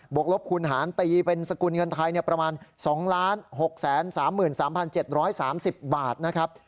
กลบคูณหารตีเป็นสกุลเงินไทยประมาณ๒๖๓๓๗๓๐บาทนะครับ